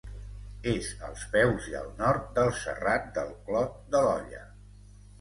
És als peus i al nord del Serrat del Clot de l'Olla.